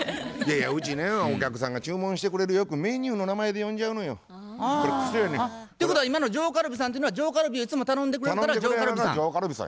うちねお客さんが注文してくれるよくメニューの名前で呼んじゃうのよ。ということは今の上カルビさんっていうのは上カルビをいつも頼んでくれるから上カルビさん。